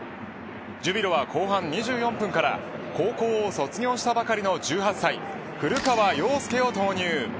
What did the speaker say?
ジュビロは後半２４分から高校を卒業したばかりの１８歳古川陽介を投入。